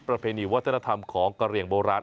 ประเพณีวัฒนธรรมของกะเรียงโบราณ